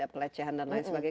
pelecehan dan lain sebagainya